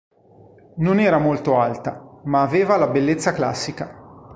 Non era molto alta, ma aveva la bellezza classica.